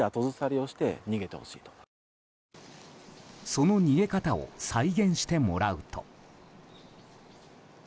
その逃げ方を再現してもらうと。